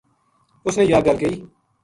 اس نے یاہ گل کہی